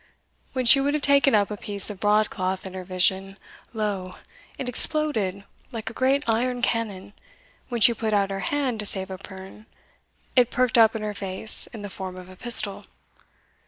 When she would have taken up a piece of broad cloth in her vision, lo! it exploded like a great iron cannon; when she put out her hand to save a pirn, it perked up in her face in the form of a pistol.